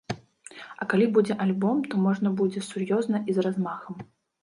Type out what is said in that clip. А калі будзе альбом, то можна будзе сур'ёзна і з размахам.